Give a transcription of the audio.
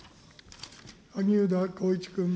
萩生田光一君。